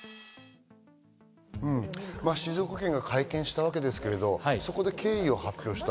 静岡県が会見をしたわけですけど、そこで経緯を発表した。